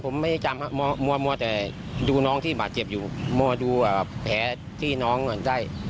ภาพภาพธุตรศัลทรัศน์ของชั้น